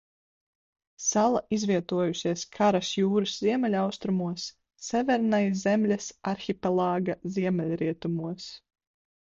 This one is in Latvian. Sala izvietojusies Karas jūras ziemeļaustrumos Severnaja Zemļas arhipelāga ziemeļrietumos.